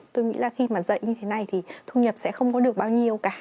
tôi nghĩ là khi mà dạy như thế này thì thu nhập sẽ không có được bao nhiêu cả